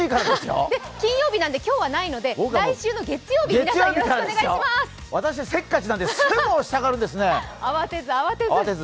金曜日なので、今日はないので来週の月曜日からお願いします。